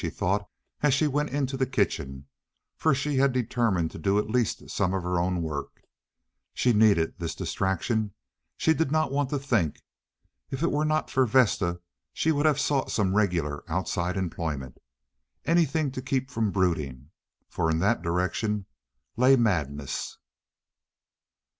she thought, as she went into the kitchen, for she had determined to do at least some of her own work. She needed the distraction. She did not want to think. If it were not for Vesta she would have sought some regular outside employment. Anything to keep from brooding, for in that direction lay madness.